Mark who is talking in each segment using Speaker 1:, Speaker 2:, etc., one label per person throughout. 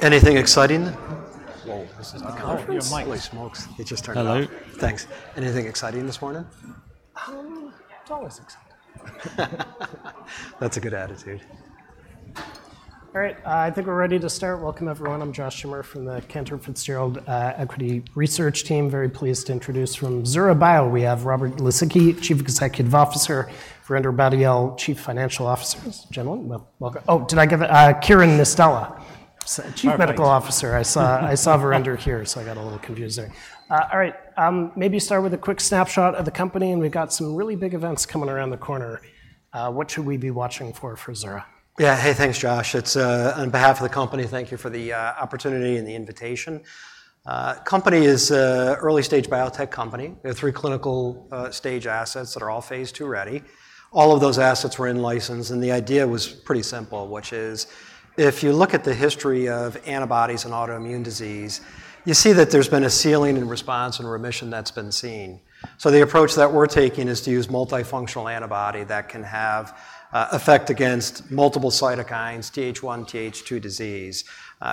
Speaker 1: Anything exciting? Whoa, this is the conference.
Speaker 2: Your mic.
Speaker 1: Holy smokes! It just turned on.
Speaker 2: Hello.
Speaker 1: Thanks. Anything exciting this morning?
Speaker 2: It's always exciting.
Speaker 1: That's a good attitude.
Speaker 3: All right, I think we're ready to start. Welcome, everyone. I'm Josh Schimmer from the Cantor Fitzgerald Equity Research Team. Very pleased to introduce from Zura Bio, we have Robert Lisicki, Chief Executive Officer, Varinder Badial, Chief Financial Officer. Gentlemen, welcome. Oh, did I give it...? Kiran Reynolds-
Speaker 2: Sorry.
Speaker 3: Chief Medical Officer. I saw Varinder here, so I got a little confused there. All right, maybe start with a quick snapshot of the company, and we've got some really big events coming around the corner. What should we be watching for, for Zura?
Speaker 1: Yeah. Hey, thanks, Josh. It's on behalf of the company, thank you for the opportunity and the invitation. Company is a early-stage biotech company. We have three clinical stage assets that are all phase II ready. All of those assets were in license, and the idea was pretty simple, which is, if you look at the history of antibodies in autoimmune disease, you see that there's been a ceiling in response and remission that's been seen. So the approach that we're taking is to use multifunctional antibody that can have effect against multiple cytokines, Th1, Th2 disease.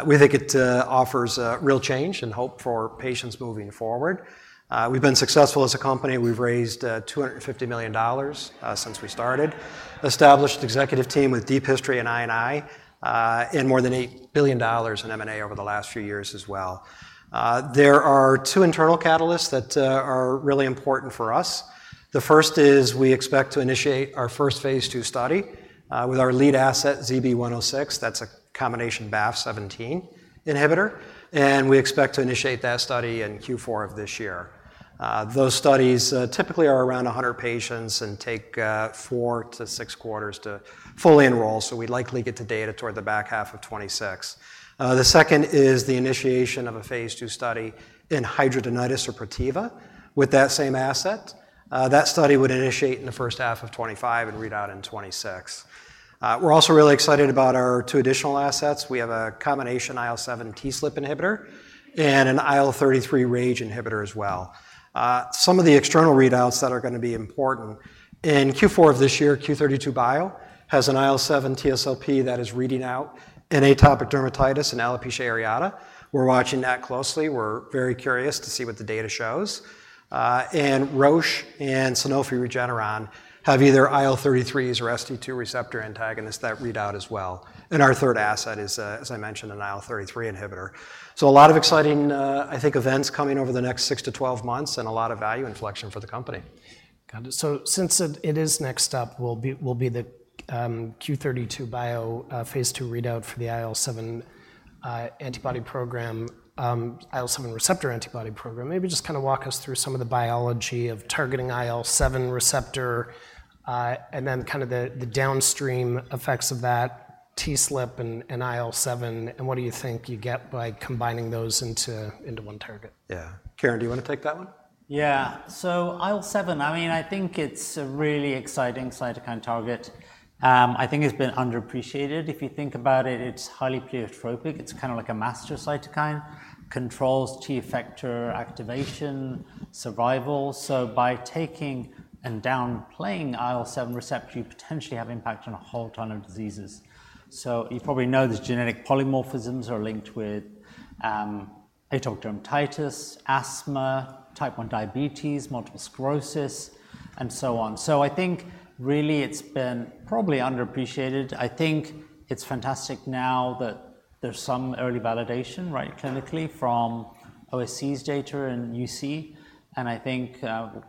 Speaker 1: We think it offers a real change and hope for patients moving forward. We've been successful as a company. We've raised $250 million since we started. Established executive team with deep history in I&I and more than $8 billion in M&A over the last few years as well. There are two internal catalysts that are really important for us. The first is we expect to initiate our first phase II study with our lead asset, ZB-106. That's a combination BAFF/IL-17 inhibitor, and we expect to initiate that study in Q4 of this year. Those studies typically are around 100 patients and take four to six quarters to fully enroll, so we'd likely get the data toward the back half of 2026. The second is the initiation of a phase II study in hidradenitis suppurativa, with that same asset. That study would initiate in the first half of 2025 and read out in 2026. We're also really excited about our two additional assets. We have a combination IL-7 TSLP inhibitor and an IL-33 RAGE inhibitor as well. Some of the external readouts that are gonna be important in Q4 of this year. Q32 Bio has an IL-7 TSLP that is reading out in atopic dermatitis and alopecia areata. We're watching that closely. We're very curious to see what the data shows. Roche and Sanofi Regeneron have either IL-33s or ST2 receptor antagonists that read out as well, and our third asset is, as I mentioned, an IL-33 inhibitor. A lot of exciting, I think, events coming over the next six to 12 months and a lot of value inflection for the company.
Speaker 3: Got it. So since it is next up, will be the Q32 Bio phase II readout for the IL-7 antibody program, IL-7 receptor antibody program. Maybe just kind of walk us through some of the biology of targeting IL-7 receptor, and then kind of the downstream effects of that TSLP and IL-7, and what do you think you get by combining those into one target?
Speaker 1: Yeah. Kiran, do you want to take that one?
Speaker 2: Yeah. So IL-7, I mean, I think it's a really exciting cytokine target. I think it's been underappreciated. If you think about it, it's highly pleiotropic, it's kind of like a master cytokine, controls T effector activation, survival. So by taking and downplaying IL-7 receptor, you potentially have impact on a whole ton of diseases. So you probably know these genetic polymorphisms are linked with, atopic dermatitis, asthma, Type 1 diabetes, multiple sclerosis, and so on. So I think really it's been probably underappreciated. I think it's fantastic now that there's some early validation, right, clinically from OSE's data and UC, and I think,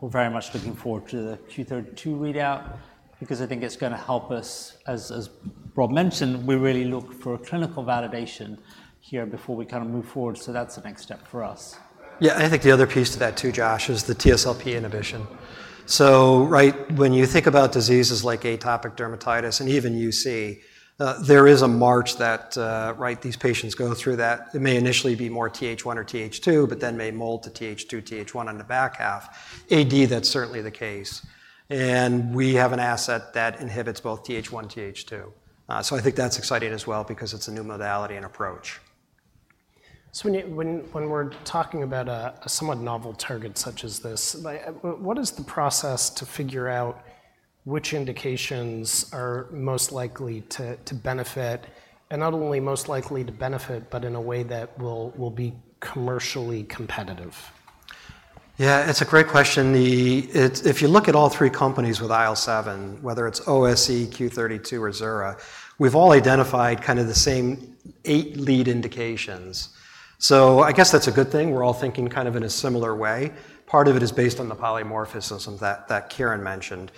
Speaker 2: we're very much looking forward to the Q32 readout because I think it's gonna help us. As Rob mentioned, we really look for a clinical validation here before we kind of move forward, so that's the next step for us.
Speaker 1: Yeah, I think the other piece to that, too, Josh, is the TSLP inhibition. So, right, when you think about diseases like atopic dermatitis and even UC, there is a march that, right, these patients go through that. It may initially be more Th1 or Th2, but then may mold to Th2, Th1 on the back half. AD, that's certainly the case, and we have an asset that inhibits both Th1, Th2. So I think that's exciting as well because it's a new modality and approach.
Speaker 3: So when we're talking about a somewhat novel target such as this, like, what is the process to figure out which indications are most likely to benefit, and not only most likely to benefit, but in a way that will be commercially competitive?
Speaker 1: Yeah, it's a great question. If you look at all three companies with IL-7, whether it's OSE, Q32, or Zura, we've all identified kind of the same eight lead indications. So I guess that's a good thing, we're all thinking kind of in a similar way. Part of it is based on the polymorphisms that Kiran mentioned.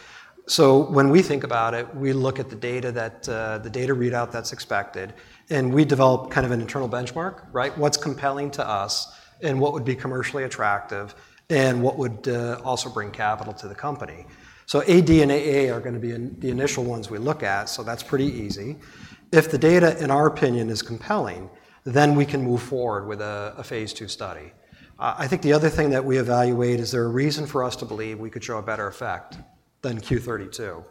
Speaker 1: So when we think about it, we look at the data that the data readout that's expected, and we develop kind of an internal benchmark, right? What's compelling to us, and what would be commercially attractive, and what would also bring capital to the company? So AD and AA are gonna be in the initial ones we look at, so that's pretty easy. If the data, in our opinion, is compelling, then we can move forward with a phase II study. I think the other thing that we evaluate is there a reason for us to believe we could show a better effect than Q32?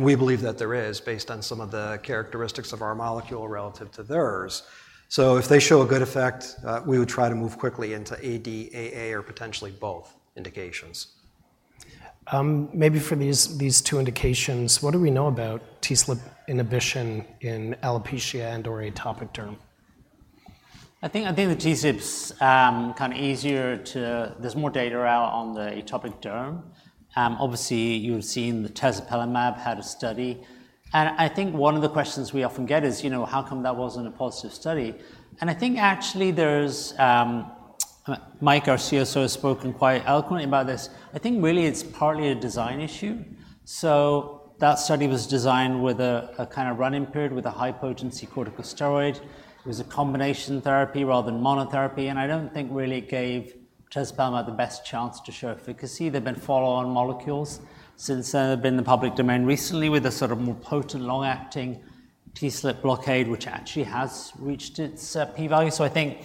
Speaker 1: We believe that there is, based on some of the characteristics of our molecule relative to theirs. If they show a good effect, we would try to move quickly into AD, AA, or potentially both indications....
Speaker 3: Maybe for these two indications, what do we know about TSLP inhibition in alopecia and or atopic derm?
Speaker 2: I think the TSLP's kind of easier to. There's more data out on the atopic derm. Obviously, you've seen the tezepelumab had a study, and I think one of the questions we often get is, you know, how come that wasn't a positive study? And I think actually there's, Mike, our CSO, has spoken quite eloquently about this. I think really it's partly a design issue. So that study was designed with a, a kind of run-in period with a high-potency corticosteroid. It was a combination therapy rather than monotherapy, and I don't think really it gave tezepelumab the best chance to show efficacy. There've been follow-on molecules since then have been in the public domain recently, with a sort of more potent, long-acting TSLP blockade, which actually has reached its p-value. So, I think,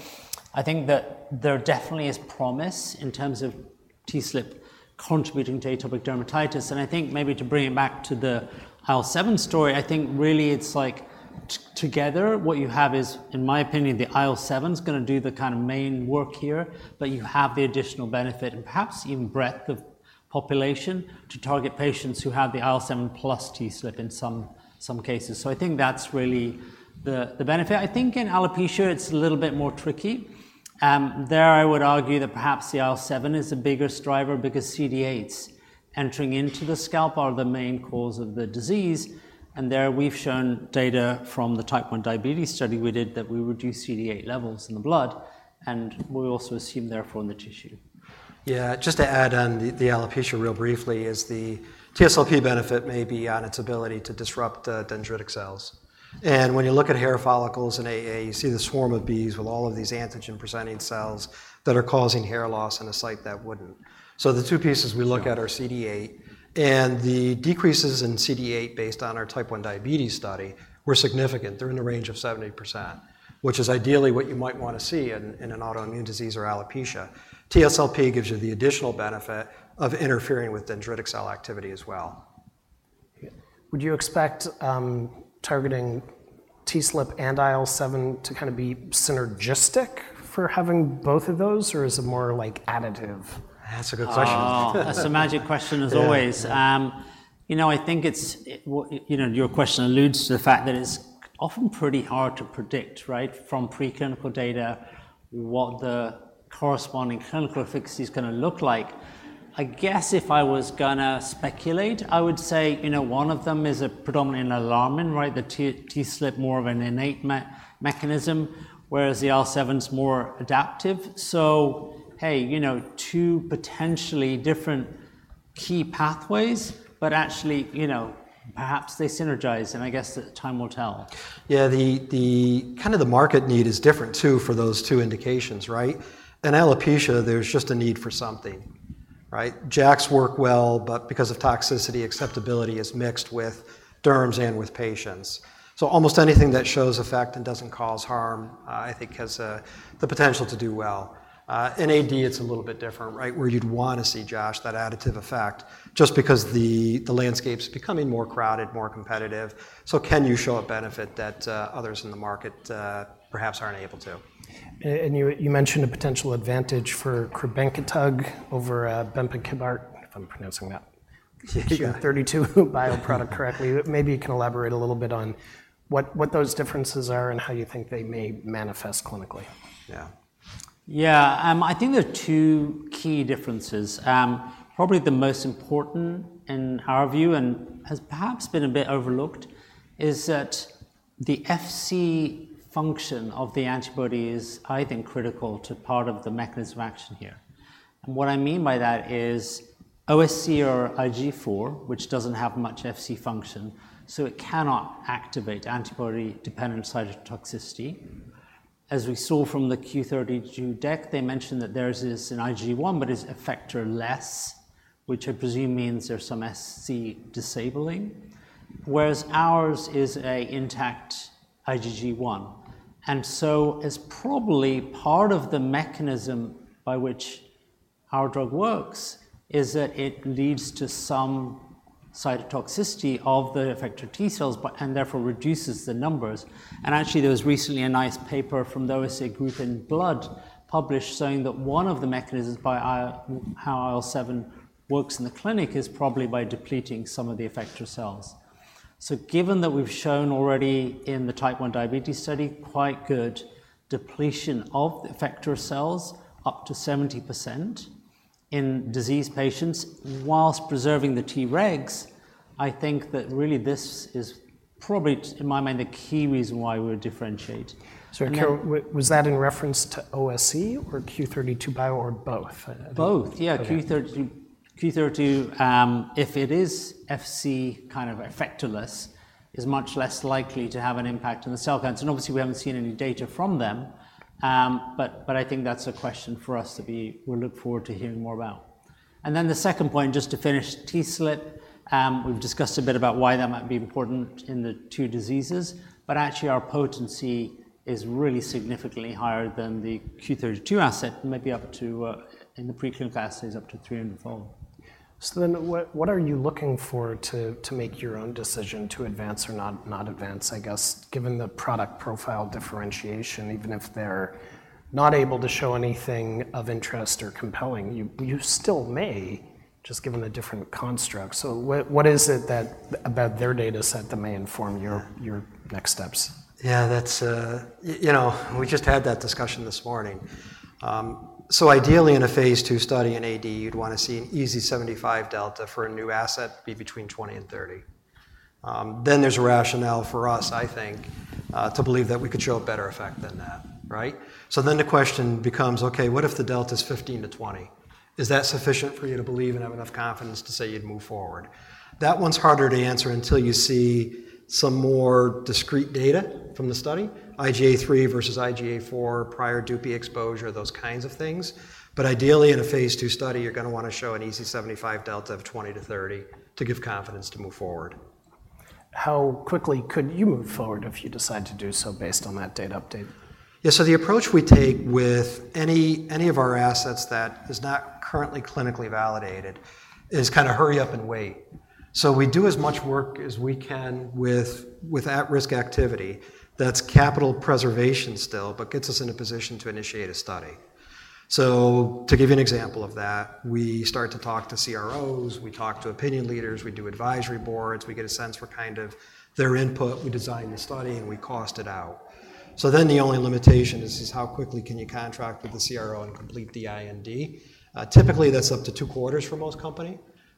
Speaker 2: I think that there definitely is promise in terms of TSLP contributing to atopic dermatitis, and I think maybe to bring it back to the IL-7 story, I think really it's like together, what you have is, in my opinion, the IL-7's gonna do the kind of main work here, but you have the additional benefit and perhaps even breadth of population to target patients who have the IL-7 plus TSLP in some, some cases. So, I think that's really the, the benefit. I think in alopecia, it's a little bit more tricky. There, I would argue that perhaps the IL-7 is the biggest driver because CD8s entering into the scalp are the main cause of the disease, and there we've shown data from the Type 1 diabetes study we did, that we reduced CD8 levels in the blood, and we also assume, therefore, in the tissue.
Speaker 1: Yeah, just to add on the, the alopecia really briefly is the TSLP benefit may be on its ability to disrupt the dendritic cells. And when you look at hair follicles in AA, you see the swarm of bees with all of these antigen-presenting cells that are causing hair loss in a site that wouldn't. So, the two pieces we look at are CD8, and the decreases in CD8 based on our Type 1 diabetes study were significant. They're in the range of 70%, which is ideally what you might want to see in, in an autoimmune disease or alopecia. TSLP gives you the additional benefit of interfering with dendritic cell activity as well.
Speaker 3: Would you expect, targeting TSLP and IL-7 to kind of be synergistic for having both of those, or is it more like additive?
Speaker 1: That's a good question.
Speaker 2: Oh, that's a magic question, as always.
Speaker 1: Yeah.
Speaker 2: You know, I think it's, you know, your question alludes to the fact that it's often pretty hard to predict, right, from preclinical data, what the corresponding clinical efficacy is gonna look like. I guess if I was gonna speculate, I would say, you know, one of them is a predominantly an alarmin, right? The TSLP, more of an innate mechanism, whereas the IL-7's more adaptive. So hey, you know, two potentially different key pathways, but actually, you know, perhaps they synergize, and I guess the time will tell.
Speaker 1: Yeah, the kind of market need is different, too, for those two indications, right? In alopecia, there's just a need for something, right? JAKs work well, but because of toxicity, acceptability is mixed with derms and with patients. So almost anything that shows effect and doesn't cause harm, I think, has the potential to do well. In AD, it's a little bit different, right? Where you'd want to see, Josh, that additive effect, just because the landscape's becoming more crowded, more competitive. So can you show a benefit that others in the market perhaps aren't able to?
Speaker 3: And you, you mentioned a potential advantage for crebankitug over bempikibart, if I'm pronouncing that?
Speaker 1: Yeah...
Speaker 3: Q32 Bio product correctly. Maybe you can elaborate a little bit on what those differences are and how you think they may manifest clinically.
Speaker 1: Yeah.
Speaker 2: Yeah, I think there are two key differences. Probably the most important in our view, and has perhaps been a bit overlooked, is that the Fc function of the antibody is, I think, critical to part of the mechanism of action here. And what I mean by that is OSE or IgG4, which doesn't have much Fc function, so it cannot activate antibody-dependent cytotoxicity. As we saw from the Q32 deck, they mentioned that theirs is an IgG1, but it's effectorless, which I presume means there's some Fc disabling, whereas ours is an intact IgG1. And so as probably part of the mechanism by which our drug works is that it leads to some cytotoxicity of the effector T cells by... and therefore reduces the numbers. Actually, there was recently a nice paper from the OSE group published in Blood saying that one of the mechanisms by how IL-7 works in the clinic is probably by depleting some of the effector cells, so given that we've shown already in the type 1 diabetes study, quite good depletion of the effector cells, up to 70% in disease patients, while preserving the Tregs, I think that really this is probably, in my mind, the key reason why we're differentiated. So-
Speaker 3: Kiran, was that in reference to OSE or Q32 Bio or both?
Speaker 2: Both.
Speaker 3: Okay.
Speaker 2: Yeah, Q32, if it is Fc kind of effector less, is much less likely to have an impact on the cell counts, and obviously, we haven't seen any data from them. But I think that's a question for us to be... We look forward to hearing more about. And then the second point, just to finish, TSLP, we've discussed a bit about why that might be important in the two diseases, but actually, our potency is really significantly higher than the Q32 asset, maybe up to, in the preclinical assays, up to 300-fold.
Speaker 3: So then, what are you looking for to make your own decision to advance or not advance, I guess, given the product profile differentiation, even if they're not able to show anything of interest or compelling, you still may? Just given the different constructs. So what is it that, about their data set that may inform your next steps?
Speaker 1: Yeah, that's, you know, we just had that discussion this morning. So ideally, in a phase II study in AD, you'd wanna see an EASI-75 delta for a new asset, be between twenty and thirty. Then there's a rationale for us, I think, to believe that we could show a better effect than that, right? So then the question becomes: Okay, what if the delta is fifteen to twenty? Is that sufficient for you to believe and have enough confidence to say you'd move forward? That one's harder to answer until you see some more discrete data from the study, IGA III versus IGA IV, prior DUPI exposure, those kinds of things. But ideally, in a phase II study, you're gonna, wanna show an EASI-75 delta of twenty to thirty to give confidence to move forward.
Speaker 3: How quickly could you move forward if you decide to do so based on that data update?
Speaker 1: Yeah, so the approach we take with any of our assets that is not currently clinically validated is kind of hurry up and wait. So we do as much work as we can with at-risk activity. That's capital preservation still, but gets us in a position to initiate a study. So to give you an example of that, we start to talk to CROs, we talk to opinion leaders, we do advisory boards, we get a sense for kind of their input, we design the study, and we cost it out. So then the only limitation is how quickly can you contract with the CRO and complete the IND. Typically, that's up to two quarters for most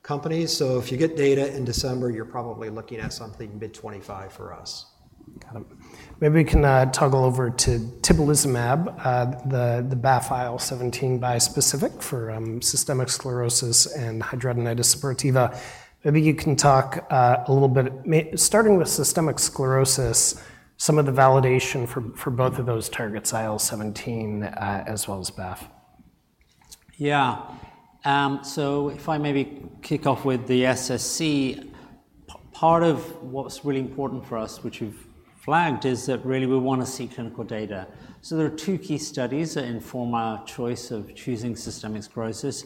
Speaker 1: companies. So if you get data in December, you're probably looking at something mid 2025 for us.
Speaker 3: Got it. Maybe we can toggle over to tibulizumab, the BAFF/IL-17 bispecific for systemic sclerosis and hidradenitis suppurativa. Maybe you can talk a little bit, starting with systemic sclerosis, some of the validation for both of those targets, IL-17, as well as BAFF.
Speaker 2: Yeah. So if I maybe kick off with the SSC part of what's really important for us, which we've flagged, is that really we wanna see clinical data. So there are two key studies that inform our choice of choosing systemic sclerosis.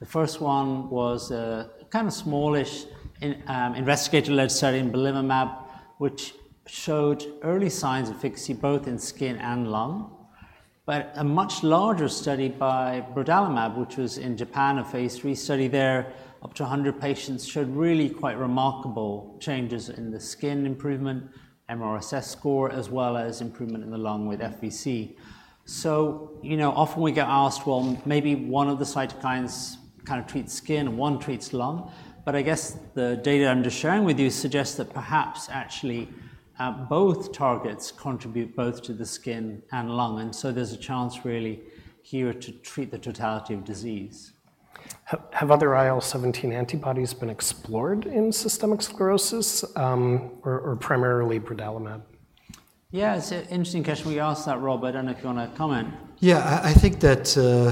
Speaker 2: The first one was a kind of smallish investigator-led study in belimumab, which showed early signs of efficacy, both in skin and lung. But a much larger study by brodalumab, which was in Japan, a phase III study there, up to a hundred patients, showed really quite remarkable changes in the skin improvement, MRSS score, as well as improvement in the lung with FVC. So, you know, often we get asked, "Well, maybe one of the cytokines kind of treats skin, and one treats lung." But I guess the data I'm just sharing with you suggests that perhaps actually, both targets contribute both to the skin and lung, and so there's a chance really here to treat the totality of disease.
Speaker 3: Have other IL-17 antibodies been explored in systemic sclerosis, or primarily brodalumab?
Speaker 2: Yeah, it's an interesting question. We asked that, Rob. I don't know if you wanna comment.
Speaker 1: Yeah, I think that. So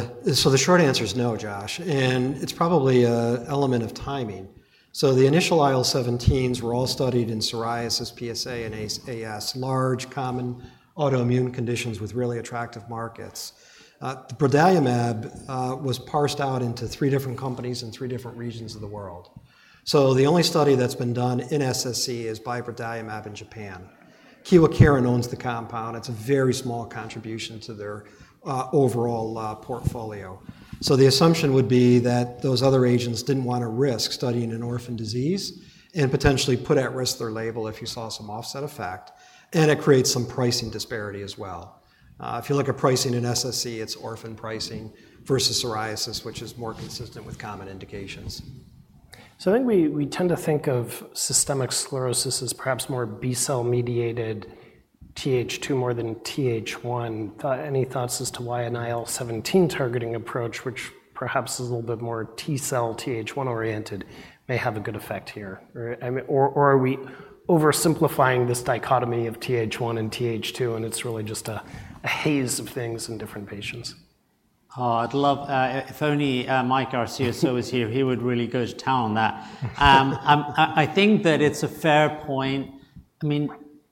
Speaker 1: the short answer is no, Josh, and it's probably an element of timing. So the initial IL-17s were all studied in psoriasis, PsA, and AS, large, common autoimmune conditions with really attractive markets. The brodalumab was parsed out into three different companies in three different regions of the world. So the only study that's been done in SSC is by brodalumab in Japan. Kyowa Kirin owns the compound. It's a very small contribution to their overall portfolio. So the assumption would be that those other agents didn't wanna risk studying an orphan disease and potentially put at risk their label if you saw some offset effect, and it creates some pricing disparity as well. If you look at pricing in SSC, it's orphan pricing versus psoriasis, which is more consistent with common indications.
Speaker 3: So I think we tend to think of systemic sclerosis as perhaps more B-cell-mediated Th2 more than Th1. Thoughts? Any thoughts as to why an IL-17 targeting approach, which perhaps is a little bit more T-cell/Th1 oriented, may have a good effect here? Or, I mean... Or are we oversimplifying this dichotomy of Th1 and Th2, and it's really just a haze of things in different patients?
Speaker 2: Oh, I'd love... if only, Mike, our CSO, is here, he would really go to town on that. I think that it's a fair point. I mean,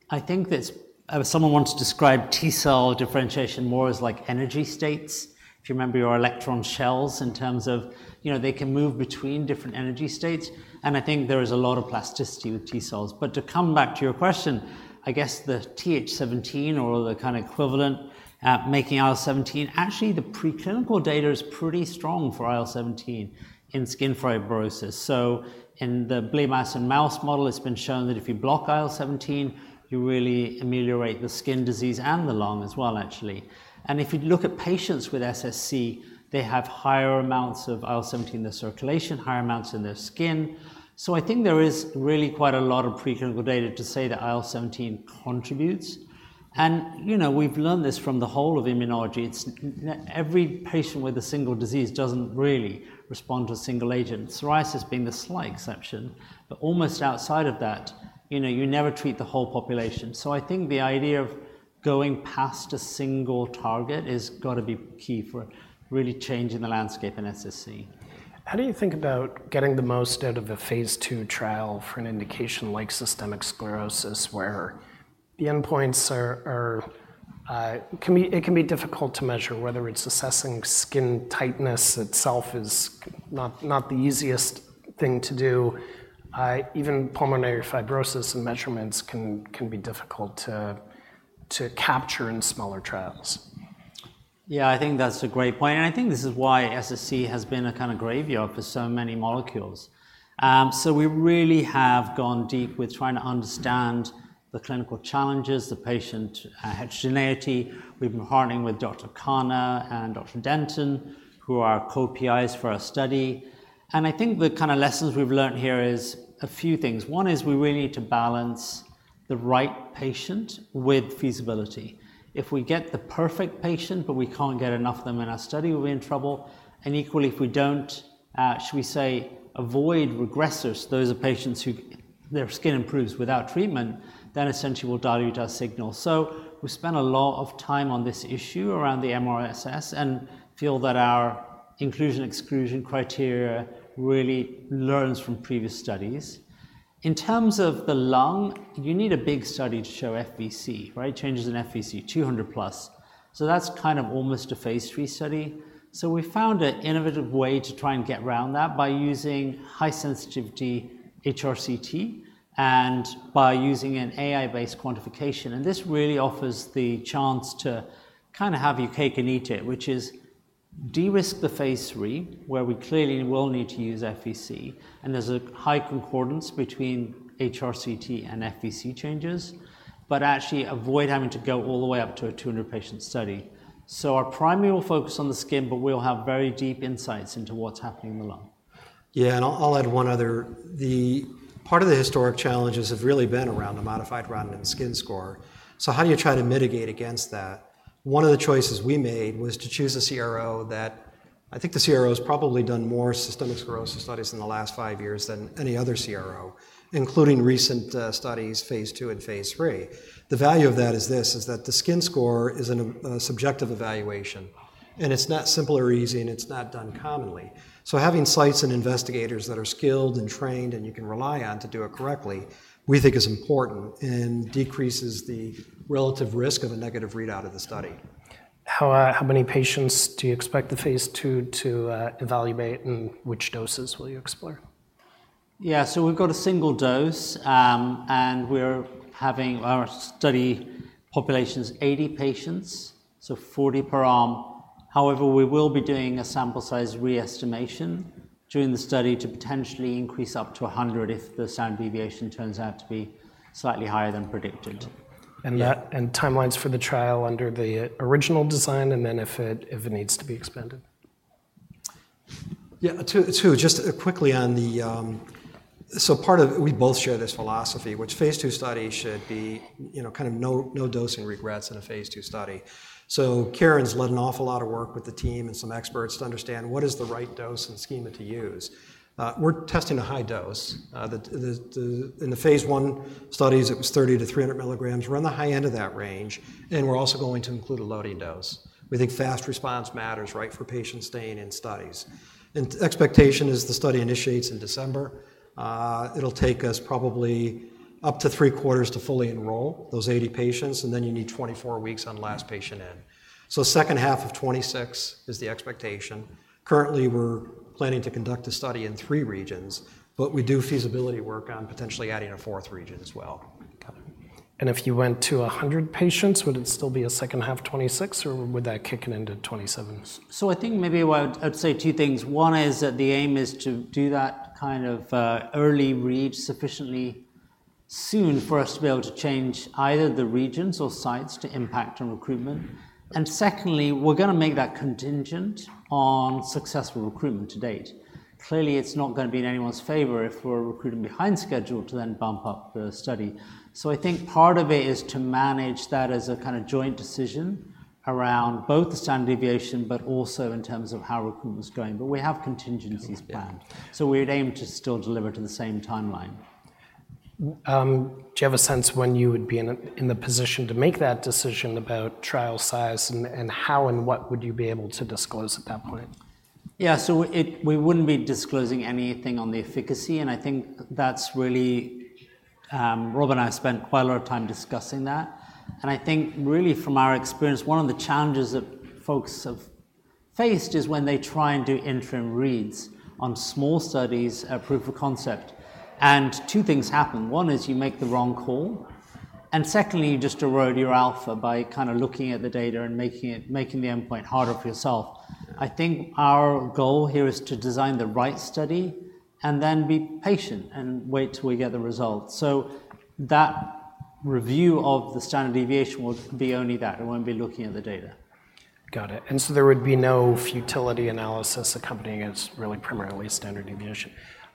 Speaker 2: I think that someone once described T-cell differentiation more as like energy states. If you remember your electron shells in terms of, you know, they can move between different energy states, and I think there is a lot of plasticity with T-cells. But to come back to your question, I guess the Th17 or the kind of equivalent, making IL-17, actually, the preclinical data is pretty strong for IL-17 in skin fibrosis. So in the bleomycin assay mouse model, it's been shown that if you block IL-17, you really ameliorate the skin disease and the lung as well, actually. If you look at patients with SSC, they have higher amounts of IL-17 in their circulation, higher amounts in their skin. I think there is really quite a lot of preclinical data to say that IL-17 contributes. You know, we've learned this from the whole of immunology. It's every patient with a single disease doesn't really respond to a single agent, psoriasis being the slight exception. Almost outside of that, you know, you never treat the whole population. I think the idea of going past a single target has got to be key for really changing the landscape in SSC.
Speaker 3: How do you think about getting the most out of a phase II trial for an indication like systemic sclerosis, where the endpoints can be difficult to measure, whether it's assessing skin tightness itself is not the easiest thing to do. Even pulmonary fibrosis and measurements can be difficult to capture in smaller trials?...
Speaker 2: Yeah, I think that's a great point, and I think this is why SSC has been a kind of graveyard for so many molecules. So we really have gone deep with trying to understand the clinical challenges, the patient heterogeneity. We've been partnering with Dr. Khanna and Dr. Denton, who are co-PIs for our study. And I think the kind of lessons we've learned here is a few things. One is we really need to balance the right patient with feasibility. If we get the perfect patient, but we can't get enough of them in our study, we're in trouble, and equally, if we don't should we say, avoid regressors, those are patients who their skin improves without treatment, then essentially will dilute our signal. So we spent a lot of time on this issue around the MRSS and feel that our inclusion, exclusion criteria really learns from previous studies. In terms of the lung, you need a big study to show FVC, right? Changes in FVC, 200 plus. So that's kind of almost a phase III study. So we found an innovative way to try and get around that by using high sensitivity HRCT and by using an AI-based quantification, and this really offers the chance to kind of have your cake and eat it, which is de-risk the phase III, where we clearly will need to use FVC, and there's a high concordance between HRCT and FVC changes, but actually avoid having to go all the way up to a 200-patient study. Our primary will focus on the skin, but we'll have very deep insights into what's happening in the lung.
Speaker 1: Yeah, and I'll add one other. The part of the historic challenges have really been around the modified Rodnan skin score. So how do you try to mitigate against that? One of the choices we made was to choose a CRO that I think the CRO has probably done more systemic sclerosis studies in the last five years than any other CRO, including recent studies, phase II and phase III. The value of that is this, is that the skin score is an subjective evaluation, and it's not simple or easy, and it's not done commonly. So having sites and investigators that are skilled and trained, and you can rely on to do it correctly, we think is important and decreases the relative risk of a negative readout of the study.
Speaker 3: How, how many patients do you expect the phase II to evaluate, and which doses will you explore?
Speaker 2: Yeah, so we've got a single dose, and we're having our study population is 80 patients, so 40 per arm. However, we will be doing a sample size re-estimation during the study to potentially increase up to 100 if the standard deviation turns out to be slightly higher than predicted.
Speaker 3: And that-
Speaker 1: Yeah.
Speaker 3: -and timelines for the trial under the original design, and then if it needs to be expanded.
Speaker 1: Yeah, to just quickly on the. So part of—we both share this philosophy, which phase II study should be, you know, kind of no dosing regrets in a phase II study. So Kiran's led an awful lot of work with the team and some experts to understand what is the right dose and schema to use. We're testing a high dose. In the phase I studies, it was 30 to 300 milligrams. We're on the high end of that range, and we're also going to include a loading dose. We think fast response matters, right, for patients staying in studies, and expectation is the study initiates in December. It'll take us probably up to three quarters to fully enroll those 80 patients, and then you need 24 weeks on last patient in. Second half of 2026 is the expectation. Currently, we're planning to conduct a study in three regions, but we do feasibility work on potentially adding a fourth region as well.
Speaker 2: Got it.
Speaker 3: If you went to a hundred patients, would it still be a second half 2026, or would that kick it into 2027s?
Speaker 2: I think maybe what I'd say two things. One is that the aim is to do that kind of early read sufficiently soon for us to be able to change either the regions or sites to impact on recruitment. And secondly, we're gonna make that contingent on successful recruitment to date. Clearly, it's not gonna be in anyone's favor if we're recruiting behind schedule to then bump up the study. So I think part of it is to manage that as a kind of joint decision around both the standard deviation, but also in terms of how recruitment is going. But we have contingencies planned.
Speaker 1: Yeah.
Speaker 2: We'd aim to still deliver to the same timeline.
Speaker 3: Do you have a sense when you would be in the position to make that decision about trial size, and how and what would you be able to disclose at that point?
Speaker 2: Yeah. So it, we wouldn't be disclosing anything on the efficacy, and I think that's really. Rob and I spent quite a lot of time discussing that, and I think really from our experience, one of the challenges that folks have faced is when they try and do interim reads on small studies, proof of concept, and two things happen: One is you make the wrong call, and secondly, you just erode your alpha by kind of looking at the data and making the endpoint harder for yourself. I think our goal here is to design the right study and then be patient and wait till we get the results. So that review of the standard deviation will be only that. It won't be looking at the data.
Speaker 3: Got it. And so there would be no futility analysis accompanying it, really, primarily standard deviation.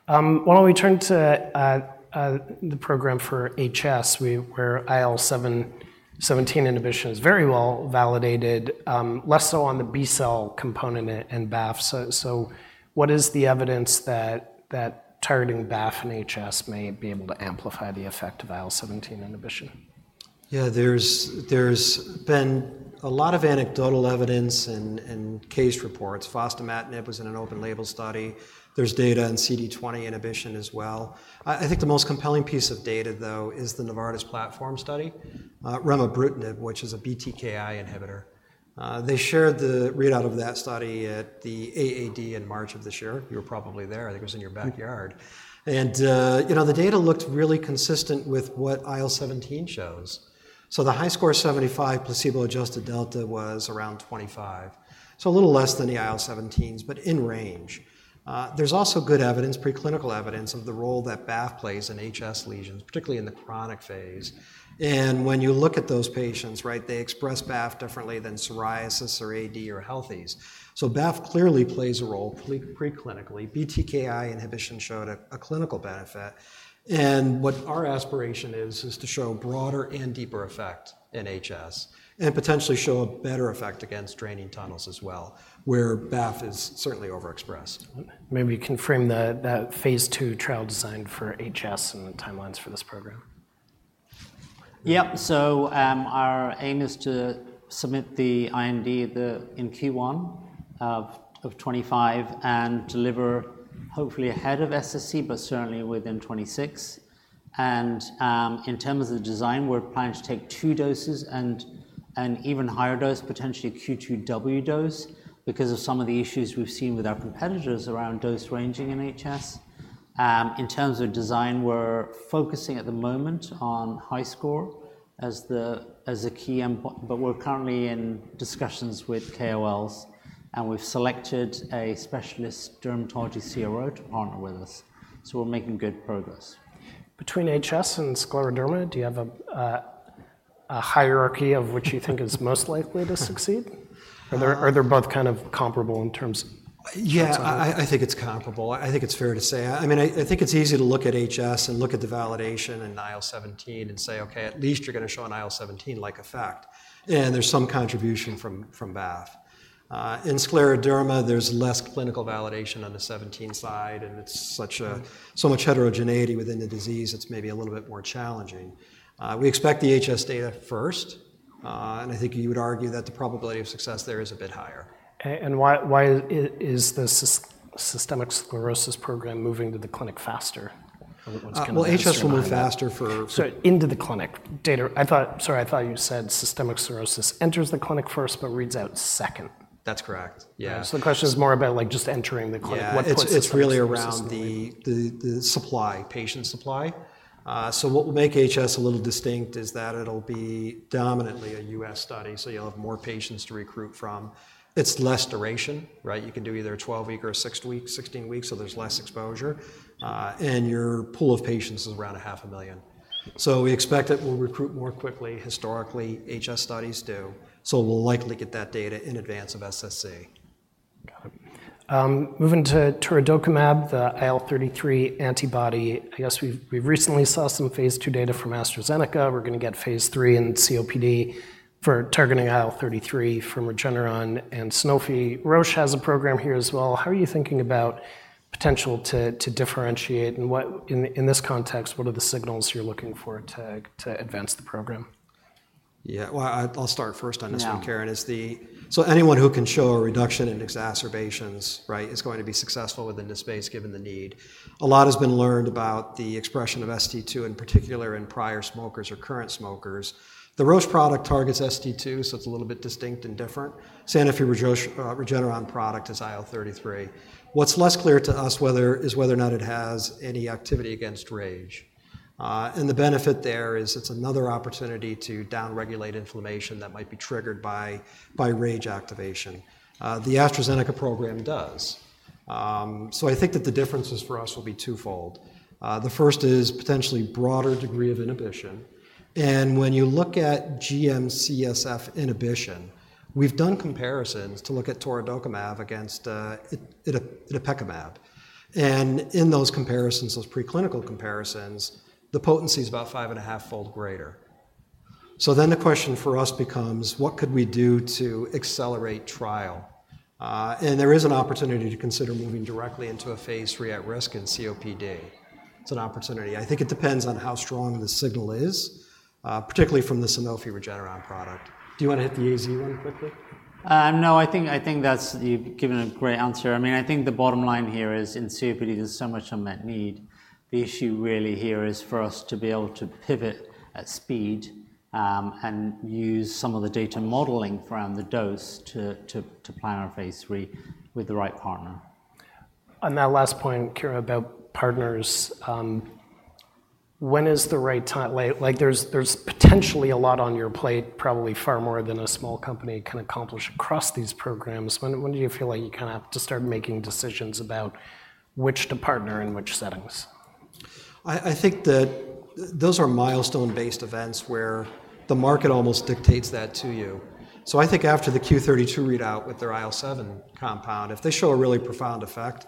Speaker 3: Why don't we turn to the program for HS, where IL-17 inhibition is very well validated, less so on the B-cell component and BAFF. So what is the evidence that targeting BAFF and HS may be able to amplify the effect of IL-17 inhibition?
Speaker 1: Yeah, there's been a lot of anecdotal evidence and case reports. Fostamatinib was in an open label study. There's data on CD20 inhibition as well. I think the most compelling piece of data, though, is the Novartis platform study, remibrutinib, which is a BTK inhibitor. They shared the readout of that study at the AAD in March of this year. You were probably there. I think it was in your backyard. And you know, the data looked really consistent with what IL-17 shows. So the HiSCR-75 placebo-adjusted delta was around 25, so a little less than the IL-17s, but in range. There's also good evidence, preclinical evidence, of the role that BAFF plays in HS lesions, particularly in the chronic phase. And when you look at those patients, right, they express BAFF differently than psoriasis or AD or healthies. BAFF clearly plays a role preclinically. BTKI inhibition showed a clinical benefit, and what our aspiration is, is to show broader and deeper effect in HS and potentially show a better effect against draining tunnels as well, where BAFF is certainly overexpressed.
Speaker 3: Maybe you can frame that phase II trial design for HS and the timelines for this program.
Speaker 2: Yep. Our aim is to submit the IND in Q1 of 2025 and deliver hopefully ahead of SSC, but certainly within 2026. In terms of the design, we're planning to take two doses and an even higher dose, potentially a Q2W dose, because of some of the issues we've seen with our competitors around dose ranging in HS. In terms of design, we're focusing at the moment on HiSCR as a key endpoint, but we're currently in discussions with KOLs, and we've selected a specialist dermatology CRO to partner with us, so we're making good progress.
Speaker 3: Between HS and scleroderma, do you have a hierarchy of which you think is most likely to succeed? Are there, are they both kind of comparable in terms-
Speaker 1: Yeah-...
Speaker 3: Sorry.
Speaker 1: I think it's comparable. I think it's fair to say. I mean, I think it's easy to look at HS and look at the validation in IL-17 and say: "Okay, at least you're gonna show an IL-17 like effect," and there's some contribution from, from BAFF. In scleroderma, there's less clinical validation on the seventeen side, and it's such a-
Speaker 3: Mm.
Speaker 1: So much heterogeneity within the disease, it's maybe a little bit more challenging. We expect the HS data first, and I think you would argue that the probability of success there is a bit higher.
Speaker 3: And why is the systemic sclerosis program moving to the clinic faster? I was gonna-
Speaker 1: Well, HS will move faster for-
Speaker 3: Sorry, I thought you said systemic sclerosis enters the clinic first, but reads out second.
Speaker 2: That's correct. Yeah.
Speaker 3: The question is more about, like, just entering the clinic.
Speaker 1: Yeah.
Speaker 3: What puts-
Speaker 1: It's really around the supply, patient supply. So what will make HS a little distinct is that it'll be dominantly a U.S. study, so you'll have more patients to recruit from. It's less duration, right? You can do either a 12-week or a 6-week, 16 weeks, so there's less exposure. And your pool of patients is around 500,000. So we expect it will recruit more quickly. Historically, HS studies do, so we'll likely get that data in advance of SSC.
Speaker 3: Got it. Moving to torudokimab, the IL-33 antibody. I guess we've recently saw some phase II data from AstraZeneca. We're gonna get phase III in COPD for targeting IL-33 from Regeneron and Sanofi. Roche has a program here as well. How are you thinking about potential to differentiate, and what? In this context, what are the signals you're looking for to advance the program?
Speaker 1: Yeah. Well, I, I'll start first on this one-
Speaker 2: Yeah...
Speaker 1: Kiran, is the. So anyone who can show a reduction in exacerbations, right, is going to be successful within this space, given the need. A lot has been learned about the expression of ST2, in particular in prior smokers or current smokers. The Roche product targets ST2, so it's a little bit distinct and different. Sanofi, Regeneron product is IL-33. What's less clear to us is whether or not it has any activity against RAGE. And the benefit there is it's another opportunity to downregulate inflammation that might be triggered by RAGE activation. The AstraZeneca program does. So I think that the differences for us will be twofold. The first is potentially broader degree of inhibition, and when you look at GM-CSF inhibition, we've done comparisons to look at torudokimab against itepekimab. And in those comparisons, those preclinical comparisons, the potency is about five and a half fold greater. So then the question for us becomes: What could we do to accelerate trial? And there is an opportunity to consider moving directly into a phase III at risk in COPD. It's an opportunity. I think it depends on how strong the signal is, particularly from the Sanofi Regeneron product.
Speaker 3: Do you want to hit the AZ one quickly?
Speaker 2: No, I think that's... You've given a great answer. I mean, I think the bottom line here is, in COPD, there's so much unmet need. The issue really here is for us to be able to pivot at speed and use some of the data modeling around the dose to plan our phase III with the right partner.
Speaker 3: On that last point, Kiran, about partners, when is the right time? Like, there's potentially a lot on your plate, probably far more than a small company can accomplish across these programs. When do you feel like you kind of have to start making decisions about which to partner in which settings?
Speaker 1: I think that those are milestone-based events where the market almost dictates that to you. So I think after the Q32 readout with their IL-7 compound, if they show a really profound effect,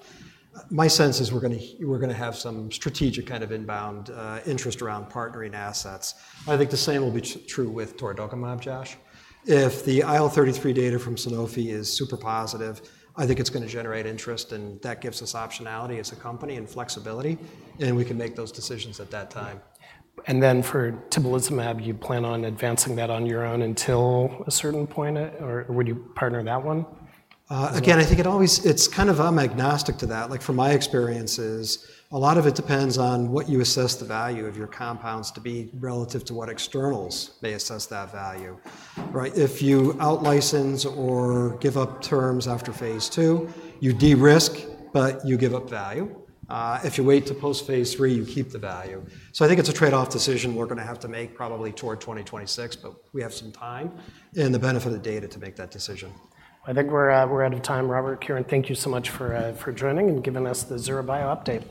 Speaker 1: my sense is we're gonna have some strategic, kind of, inbound interest around partnering assets. I think the same will be true with torudokimab, Josh. If the IL-33 data from Sanofi is super positive, I think it's gonna generate interest, and that gives us optionality as a company and flexibility, and we can make those decisions at that time.
Speaker 3: And then, for tibulizumab, you plan on advancing that on your own until a certain point, or would you partner that one?
Speaker 1: Again, I think it always. It's kind of I'm agnostic to that. Like, from my experiences, a lot of it depends on what you assess the value of your compounds to be relative to what externals may assess that value, right? If you out-license or give up terms after phase II, you de-risk, but you give up value. If you wait to post phase III, you keep the value. So, I think it's a trade-off decision we're gonna have to make probably toward 2026, but we have some time and the benefit of the data to make that decision.
Speaker 3: I think we're at, we're out of time. Robert, Kiran, thank you so much for joining and giving us the Zura Bio update.